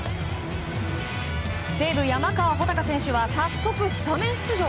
西武、山川穂高選手は早速スタメン出場。